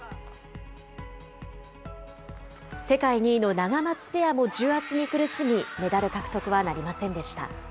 世界２位のナガマツペアも重圧に苦しみ、メダル獲得はなりませんでした。